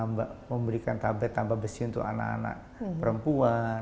kemudian memberikan tablet tambah besi untuk anak anak perempuan